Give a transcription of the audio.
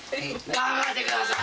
頑張ってください。